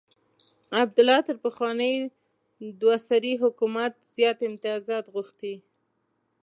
عبدالله تر پخواني دوه سري حکومت زیات امتیازات غوښتي.